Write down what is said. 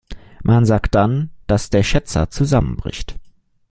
Man sagt dann, dass der Schätzer zusammenbricht.